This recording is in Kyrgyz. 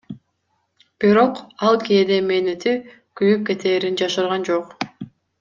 Бирок, ал кээде мээнети күйүп кетээрин жашырган жок.